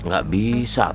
gak bisa tuh kang